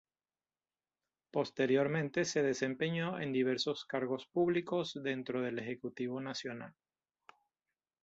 Posteriormente se desempeñó en diversos cargos públicos dentro del Ejecutivo Nacional.